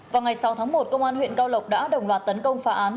vào ngày sáu tháng một công an huyện cao lộc đã đồng loạt tấn công phá án